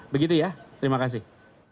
begitu ya terima kasih